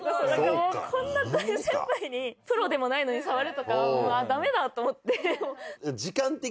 こんな大先輩にプロでもないのに触るとかダメだと思って。